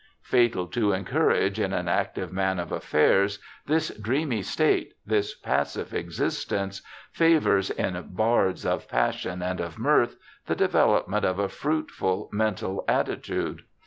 Fatal to encourage in an active man of affairs, this dreamy state, this passive existence, favours in 'bards of passion and of mirth' the development of a fruitful mental attitude.